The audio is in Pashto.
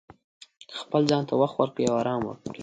خپل ځان ته وخت ورکړئ او ارام وکړئ.